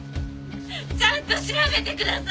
ちゃんと調べてください！